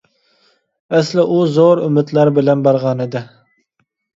ئەسلى ئۇ زور ئۈمىدلەر بىلەن بارغانىدى.